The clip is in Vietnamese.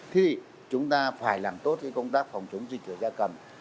thế thì chúng ta phải làm tốt cái công tác phòng chống dịch ở ra cầm